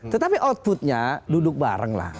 tetapi outputnya duduk bareng lah